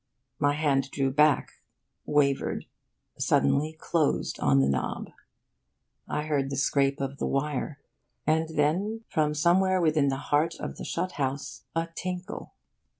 My hand drew back, wavered, suddenly closed on the knob. I heard the scrape of the wire and then, from somewhere within the heart of the shut house, a tinkle.